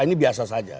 ini biasa saja